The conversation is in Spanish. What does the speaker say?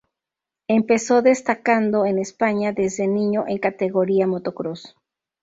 Empezó destacando en España desde niño en categoría motocross.